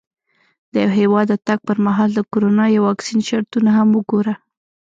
د یو هېواد د تګ پر مهال د کرونا یا واکسین شرطونه هم وګوره.